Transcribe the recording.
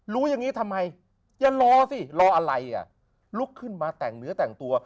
รู้อย่างนี้ทำไมจะรอสิรออะไรอ่ะลุกขึ้นมาแต่งเนื้อแต่งตัว